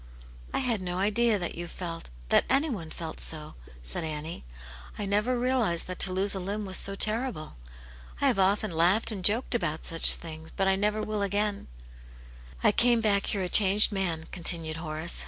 " I had no idea that you felt, that anyone felt so," said Annie. '* I never realized that to lose a limb was so terrible. I have often laughed and joked about such things. But I never will a^^.va" 200 Aunt Janets Hero. "I came back here a changed man,'* continued Horace.